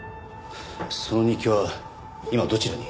その日記は今どちらに？